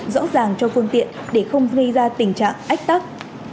rõ ràng cho phương tiện để không gây ra tình trạng ách tắc